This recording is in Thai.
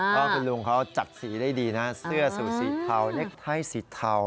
เพราะคุณลุงเขาจัดสีได้ดีนะเสื้อสูตรสีเทาเล็กไทยสีเทา